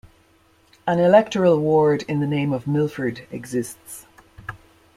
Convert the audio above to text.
An electoral ward in the name of Milford exists.